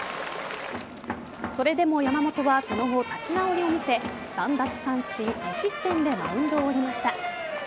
それでも山本はその後、立ち直りを見せ３奪三振２失点でマウンドを降りました。